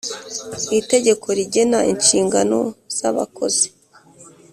Itegeko rigena inshingano zabakozi .